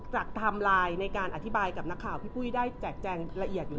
ไทม์ไลน์ในการอธิบายกับนักข่าวพี่ปุ้ยได้แจกแจงละเอียดอยู่